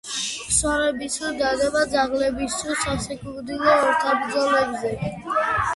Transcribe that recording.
ფსონების დადება ძაღლების სასიკვდილო ორთაბრძოლებზე.